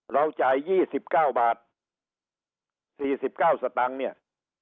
เราจ่ายยี่สิบเก้าบาทสี่สิบเก้าสตังเนี้ย